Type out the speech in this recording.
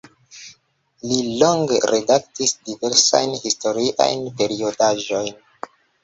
Li longe redaktis diversajn historiajn periodaĵojn.